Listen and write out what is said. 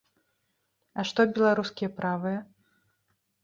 А што беларускія правыя?